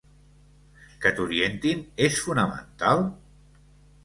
Què t’orientin és fonamental?